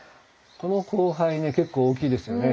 この光背ね結構大きいですよね。